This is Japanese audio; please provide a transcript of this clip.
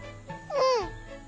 うん！